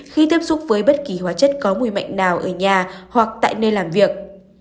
khi tiếp xúc với bất kỳ hóa chất có mùi mạnh nào ở nhà hoặc tại nơi làm việc